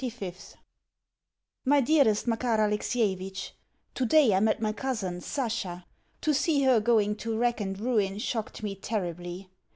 April 25th MY DEAREST MAKAR ALEXIEVITCH, Today I met my cousin Sasha. To see her going to wrack and ruin shocked me terribly.